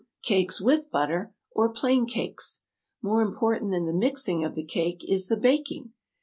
Cakes with butter, or plain cakes. "More important than the mixing of the cake is the baking.